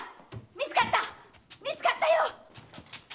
見つかったよ！